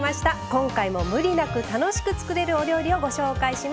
今回もムリなく楽しく作れるお料理をご紹介します。